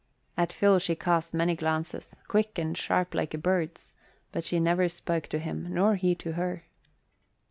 At Phil she cast many glances, quick and sharp like a bird's, but she never spoke to him nor he to her.